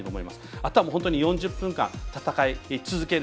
あとは４０分間戦い続ける。